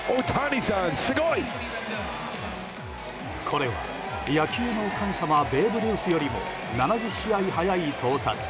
これは、野球の神様ベーブ・ルースよりも７０試合早い到達。